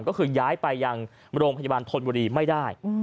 ก็คือย้ายไปยังโรงพยาบาลธนบุรีไม่ได้